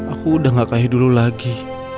aku udah gak kayak dulu lagi